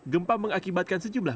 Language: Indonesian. gempa mengakibatkan sejumlah